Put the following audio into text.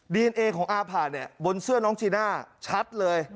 ดีเอนเอของอาผ่าเนี่ยบนเสื้อน้องจีน่าชัดเลย